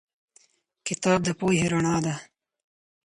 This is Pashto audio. کتاب د پوهې رڼا ده.